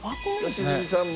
良純さんも。